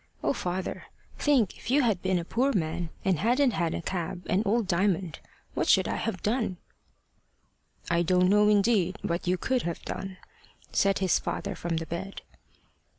Oh, father, think if you had been a poor man, and hadn't had a cab and old Diamond! What should I have done?" "I don't know indeed what you could have done," said his father from the bed.